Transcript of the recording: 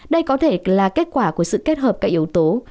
đây có thể là kết quả của sự kết hợp các yếu tố